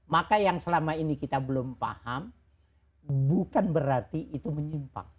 maka yang selama ini kita belum paham bukan berarti itu menyimpang